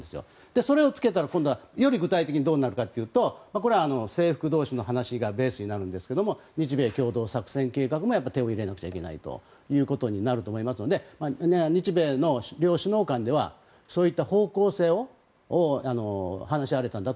それをつけたら今度はより具体的にどうなるかというとこれは制服同士の話がベースになるんですが日米共同作戦計画も手を入れなくてはいけなくなるので日米両首脳間では方向性を話し合われたんだと